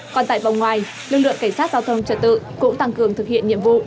còn tại vòng ngoài lực lượng cảnh sát giao thông trật tự cũng tăng cường thực hiện nhiệm vụ